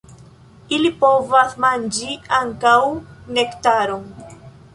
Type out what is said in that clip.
Ili povas manĝi ankaŭ nektaron.